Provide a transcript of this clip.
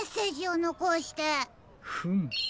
フム！